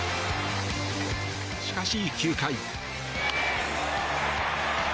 しかし９回。